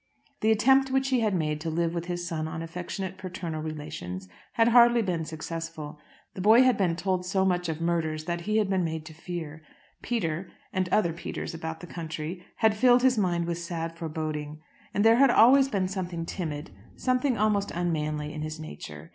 The attempt which he had made to live with his son on affectionate paternal relations had hardly been successful. The boy had been told so much of murderers that he had been made to fear. Peter, and other Peters about the country, had filled his mind with sad foreboding. And there had always been something timid, something almost unmanly in his nature.